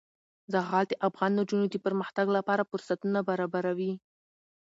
زغال د افغان نجونو د پرمختګ لپاره فرصتونه برابروي.